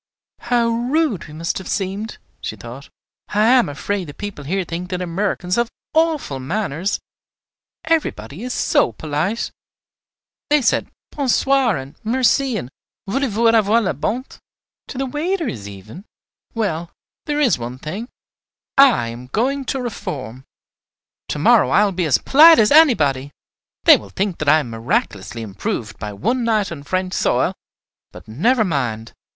"How rude we must have seemed!" she thought. "I am afraid the people here think that Americans have awful manners, everybody is so polite. They said 'Bon soir' and 'Merci' and 'Voulez vous avoir la bonté,' to the waiters even! Well, there is one thing, I am going to reform. To morrow I will be as polite as anybody. They will think that I am miraculously improved by one night on French soil; but, never mind!